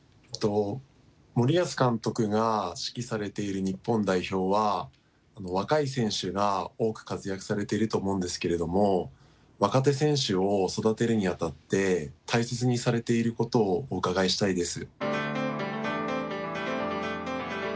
森保監督が指揮されている日本代表は若い選手が多く活躍されていると思うんですけれども若手選手を育てるにあたって大切にされていることをお伺いしたいです。